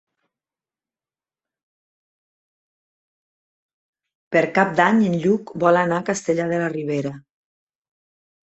Per Cap d'Any en Lluc vol anar a Castellar de la Ribera.